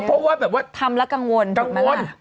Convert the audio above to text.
เพราะว่าแบบว่าทำแล้วกังวลกังวล